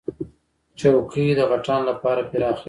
چوکۍ د غټانو لپاره پراخه وي.